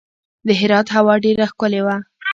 د هرات هوا ډیره ښکلې وه.